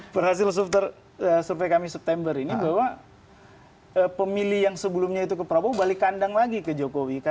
perhasil survei kami september ini bahwa pemilih yang sebelumnya itu ke prabowo balik kandang lagi ke jokowi